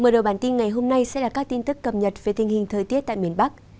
mở đầu bản tin ngày hôm nay sẽ là các tin tức cập nhật về tình hình thời tiết tại miền bắc